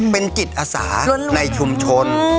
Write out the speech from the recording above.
พุทธจิตอสารในชุมชน